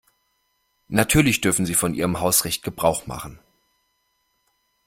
Natürlich dürfen Sie von Ihrem Hausrecht Gebrauch machen.